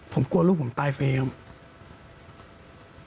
ผมกลัวลูกผมตายโครงพยายาม